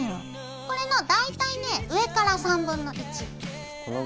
これの大体ね上から３分の１。